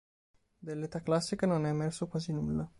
Dell'età classica non è emerso quasi nulla.